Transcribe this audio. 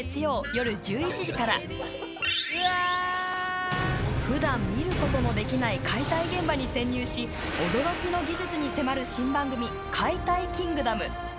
うわー！ふだん見ることのできない解体現場に潜入し、驚きの技術に迫る新番組「解体キングダム」。